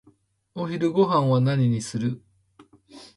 お昼ごはんは何にする？